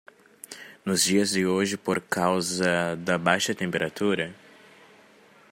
Nos dias de hoje por causa da baixa temperatura